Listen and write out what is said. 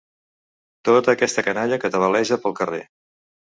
Tota aquesta canalla que tabaleja pel carrer!